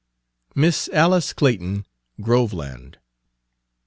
MISS ALICE CLAYTON, GROVELAND.